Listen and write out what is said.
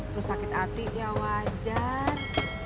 terus sakit hati ya wajar